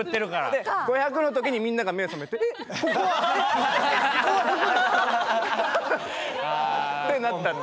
で５００の時にみんなが目覚めて「えっここは！？」。ってなったって。